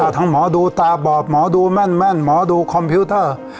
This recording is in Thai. ทั้งหมอดูตาบอบหมอดูแม่นหมอดูคอมพิวเตอร์